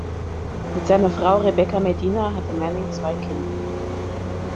Mit seiner Frau Rebeca Medina hatte Manning zwei Kinder.